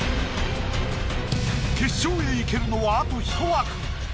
決勝へ行けるのはあとひと枠。